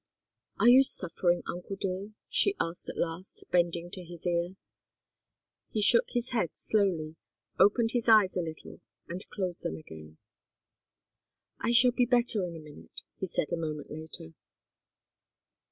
"Are you suffering, uncle dear?" she asked at last, bending to his ear. He shook his head slowly, opened his eyes a little and closed them again. "I shall be better in a minute," he said, a moment later.